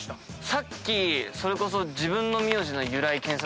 さっきそれこそ自分の名字の由来検索しました。